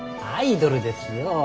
アイドルですよ